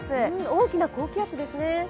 大きな高気圧ですね